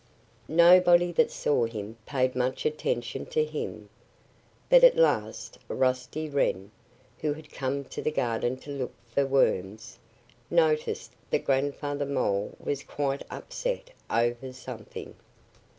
Nobody that saw him paid much attention to him. But at last Rusty Wren, who had come to the garden to look for worms, noticed that Grandfather Mole was quite upset over something.